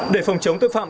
để phòng chống tội phạm